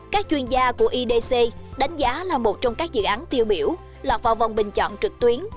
các chuyên gia của idc đánh giá là một trong các dự án tiêu biểu lọt vào vòng bình chọn trực tuyến